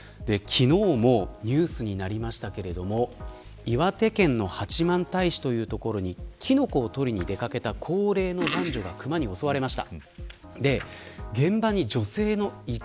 昨日もニュースになりましたが岩手県の八幡平市という所にキノコを採りに出掛けた高齢の男女がクマに襲われました。